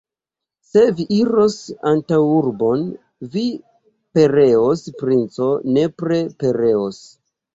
Se vi iros antaŭurbon, vi pereos, princo, nepre pereos!